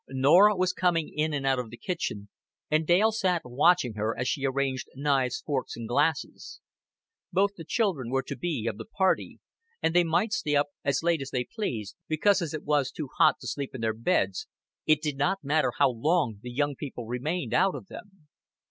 Norah was coming in and out of the kitchen, and Dale sat watching her as she arranged knives, forks, and glasses. Both the children were to be of the party; and they might stay up as late as they pleased, because as it was too hot to sleep in their beds, it did not matter how long the young people remained out of them.